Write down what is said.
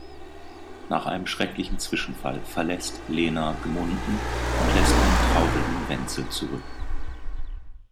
Nach einem schrecklichen Zwischenfall verlässt Lena Gmunden und lässt einen traurigen Wenzel zurück.